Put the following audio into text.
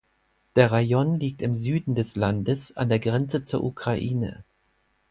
Der Rajon liegt im Süden des Landes an der Grenze zur Ukraine.